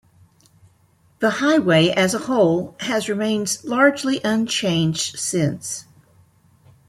The highway as a whole has remained largely unchanged since.